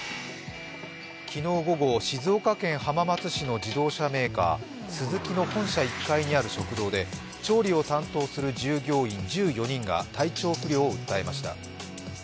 昨日午後、静岡県浜松市の自動車メーカー、スズキの本社１階にある食堂で調理を担当する従業員１４人が体調不良を訴えました。